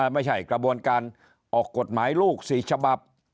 ไม่ใช่กระบวนการออกกฎหมายลูก๔ฉบับ